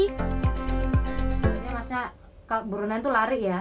ini maksudnya burunan itu lari ya